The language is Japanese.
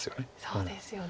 そうですよね。